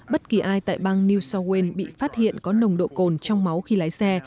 bất kỳ ai tại bang new south wales bị phát hiện có nồng độ cồn trong máu khi lái xe